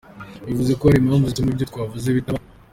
Bivuze ko hari impamvu zituma ibyo twavuze bitaba.